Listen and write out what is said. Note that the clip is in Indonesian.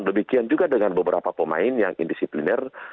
dan lebih kian juga dengan beberapa pemain yang indisipliner